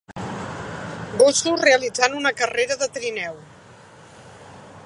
Gossos realitzant una carrera de trineu.